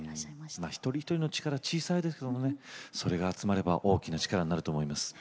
一人一人の力小さいですけどもねそれが集まれば大きな力になると思います。